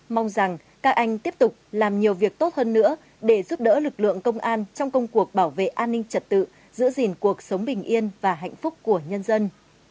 mong rằng các anh tiếp tục làm nhiều việc tốt hơn nữa để giúp đỡ lực lượng công an trong công cuộc bảo vệ an ninh trật tự giữ gìn cuộc sống bình yên và hạnh phúc của nhân dân